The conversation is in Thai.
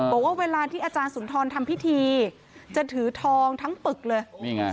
บอกว่าเวลาที่อาจารย์สุนทรทำพิธีจะถือทองทั้งปึกเลยนี่ไง